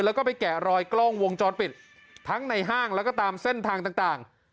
แล้วก็ไปแกะรอยกล้องวงจรปิดทั้งในห้างแล้วก็ตามเส้นทางต่าง